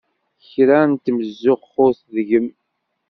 Kra n temzuxxut deg-m!